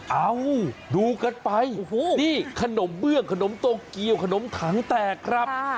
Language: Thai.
เอาดูกันไปนี่ขนมเบื้องขนมโตเกียวขนมถังแตกครับ